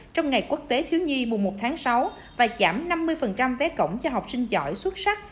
trong ngày quốc tế thiếu nhi mùng một tháng sáu và giảm năm mươi vé cổng cho học sinh giỏi xuất sắc